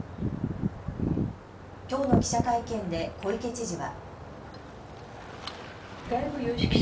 きょうの記者会見で小池知事は。